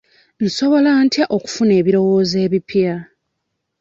Nsobola ntya okufuna ebirowoozo ebipya?